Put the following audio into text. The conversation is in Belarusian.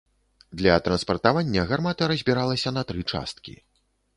Для транспартавання гармата разбіралася на тры часткі.